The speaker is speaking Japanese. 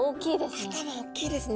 頭おっきいですね。